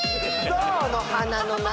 ゾウの鼻の中